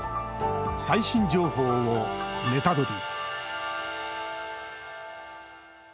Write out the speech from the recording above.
最新情報をネタドリ！